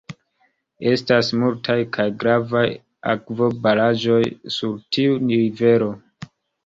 Estas multaj kaj gravaj akvobaraĵoj sur tiu rivero.